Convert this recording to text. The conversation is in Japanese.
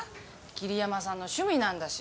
霧山さんの趣味なんだし。